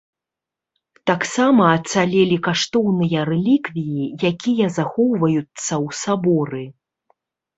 Таксама ацалелі каштоўныя рэліквіі, якія захоўваюцца ў саборы.